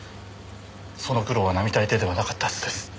その苦労は並大抵ではなかったはずです。